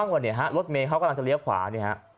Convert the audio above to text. มั่งว่าเนี้ยฮะรถเมย์เขากำลังจะเลี้ยวขวาเนี้ยฮะ